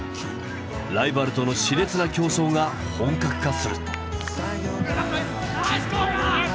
ライバルとの熾烈な競争が本格化する。